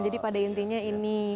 jadi pada intinya ini